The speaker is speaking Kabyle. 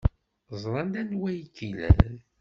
Ẓrant anwa ay k-ilan.